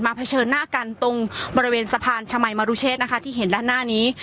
เผชิญหน้ากันตรงบริเวณสะพานชมัยมรุเชษนะคะที่เห็นด้านหน้านี้